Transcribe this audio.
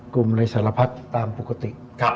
กลุ่มในสารพัดตามปกติ